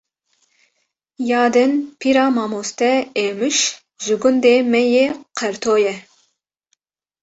Ya din pîra mamoste Êmiş ji gundê me yê Qerto ye